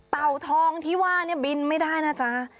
ทองที่ว่าเนี่ยบินไม่ได้นะจ๊ะ